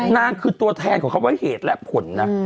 นางคือตัวแทนของเขาไว้เหตุและผลนะ